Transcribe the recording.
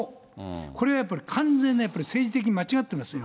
これはやっぱり、完全な、政治的に間違っていますよ。